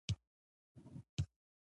الوتکه ځانګړی هوايي میدان ته اړتیا لري.